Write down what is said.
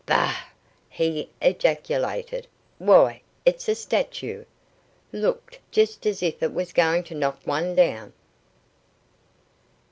"Bah!" he ejaculated. "Why, it's a stature. Looked just as if it was going to knock one down."